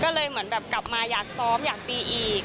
ก็เลยเหมือนแบบกลับมาอยากซ้อมอยากตีอีก